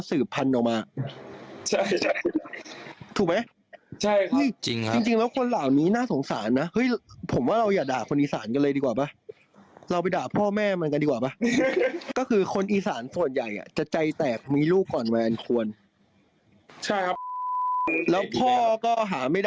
อุดหูเดี๋ยวนี้เลยแต่ว่าถ้าใครฟังได้เชิญนะ